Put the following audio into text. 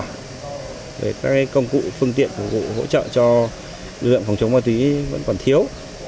các công cụ phương tiện hỗ trợ cho lực lượng phòng chống ma túy vẫn còn thiếu